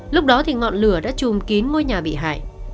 lúc đó thì ngọn lửa đã trùm kín môi trường